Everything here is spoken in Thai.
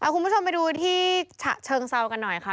คุณผู้ชมไปดูที่ฉะเชิงเซากันหน่อยค่ะ